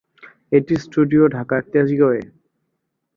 এটির স্টুডিও ঢাকার তেজগাঁয়ে।